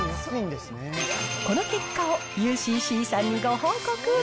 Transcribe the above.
この結果をＵＣＣさんにご報告。